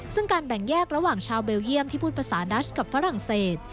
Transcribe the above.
ซึ่งการแบ่งแยกระหว่างชาวเบลเยี่ยมที่พูดภาษาดัชกับฝรั่งเศส